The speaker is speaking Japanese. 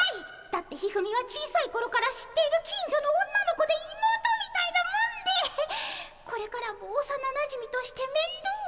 だって一二三は小さいころから知っている近所の女の子で妹みたいなもんでこれからもおさななじみとして面倒を。